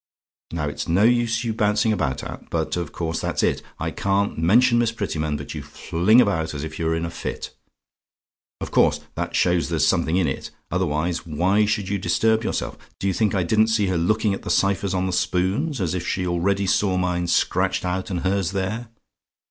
"Now, it's no use your bouncing about at but of course that's it; I can't mention Miss Prettyman but you fling about as if you were in a fit. Of course that shows there's something in it. Otherwise, why should you disturb yourself? Do you think I didn't see her looking at the ciphers on the spoons as if she already saw mine scratched out and hers there?